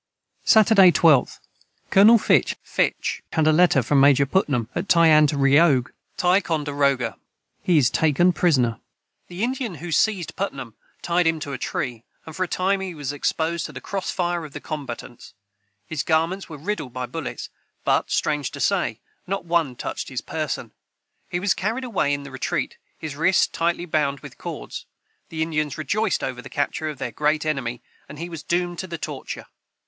Sat. 12th. Colonel Phich had a letter from Major putnom at tiantiroge he is taken prisoner. [Footnote 58: Fitch.] [Footnote 59: Ticonderoga.] [Footnote 60: The Indian who seized Putnam tied him to a tree, and for a time he was exposed to the cross fire of the combatants. His garments were riddled by bullets, but, strange to say, not one touched his person. He was carried away in the retreat, his wrists tightly bound with cords. The Indians rejoiced over the capture of their great enemy, and he was doomed to the torture.